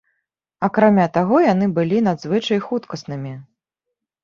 Акрамя таго, яны былі надзвычай хуткаснымі.